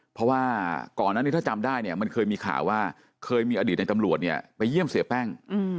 เพราะว่าก่อนนั้นถ้าจำได้มันเคยมีข่าว่าเคยมีอดีตในตำรวจไปเยี่ยมเสียแป้ง